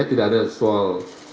tidak ada soal